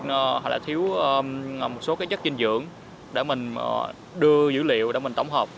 một số chất dinh dưỡng để mình đưa dữ liệu để mình tổng hợp